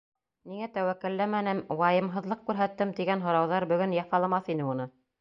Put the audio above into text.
Ниңә тәүәккәлләмәнем, вайымһыҙлыҡ күрһәттем, тигән һорауҙар бөгөн яфаламаҫ ине уны.